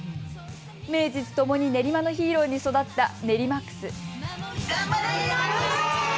名実ともに練馬のヒーローに育ったネリマックス。